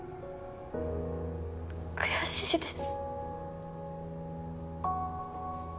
悔しいです